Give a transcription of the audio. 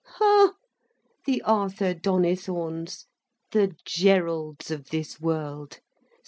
Ha—the Arthur Donnithornes, the Geralds of this world.